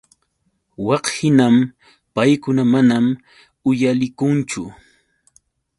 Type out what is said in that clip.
Wakhinam paykuna mana uyalikunchu.